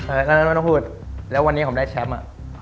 เพราะฉะนั้นไม่ต้องพูดแล้ววันนี้ผมได้แชมป์อ่ะ